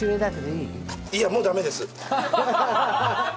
いや、もうだめです。